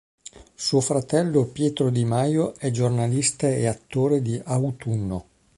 Suo fratello Pietro di Majo è giornalista e attore di "Autunno".